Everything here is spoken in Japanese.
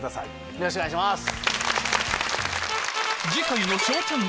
よろしくお願いします。